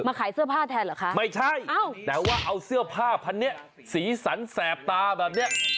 ขายเสื้อผ้าแทนเหรอคะไม่ใช่แต่ว่าเอาเสื้อผ้าพันเนี้ยสีสันแสบตาแบบเนี้ย